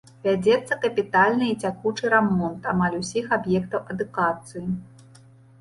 Вядзецца капітальны і цякучы рамонт амаль усіх аб'ектаў адукацыі.